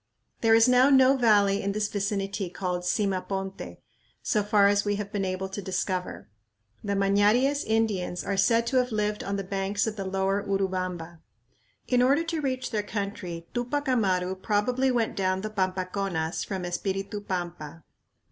There is now no valley in this vicinity called Simaponte, so far as we have been able to discover. The Mañaries Indians are said to have lived on the banks of the lower Urubamba. In order to reach their country Tupac Amaru probably went down the Pampaconas from Espiritu Pampa.